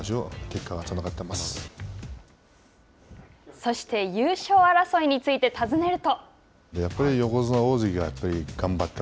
そして、優勝争いについて尋ねると。